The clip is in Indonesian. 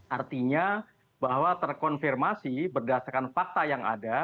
artinya bahwa terkonfirmasi berdasarkan fakta yang ada